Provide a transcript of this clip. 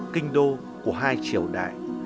là kinh đô của hai triều đại